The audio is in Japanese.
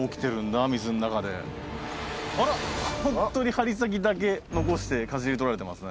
あら本当に針先だけ残してかじり取られてますね。